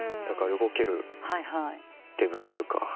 だから動けるデブというか。